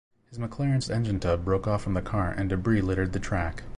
His McLaren's engine tub broke off from the car and debris littered the track.